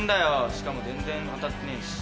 しかも全然当たってねえし。